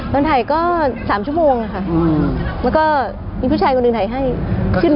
ตอนถ่ายก็๓ชั่วโมงค่ะแล้วก็มีผู้ชายคนหนึ่งถ่ายให้ขึ้น